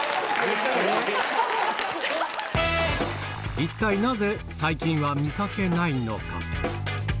一体なぜ、最近は見かけないのか。